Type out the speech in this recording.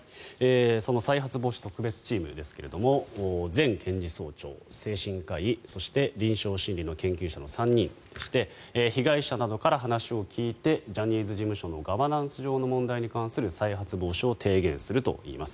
その再発防止特別チームですが前検事総長、精神科医、そして臨床心理の研究者の３人でして被害者などから話を聞いてジャニーズ事務所のガバナンス上の問題に関する再発防止を提言するといいます。